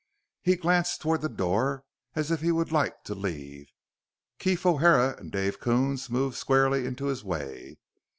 He glanced toward the door as if he would like to leave. Keef O'Hara and Dave Coons moved squarely into his way.